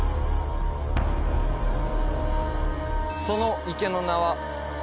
その池の名は。